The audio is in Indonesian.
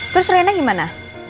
terus rena gimana